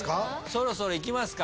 そろそろいきますか。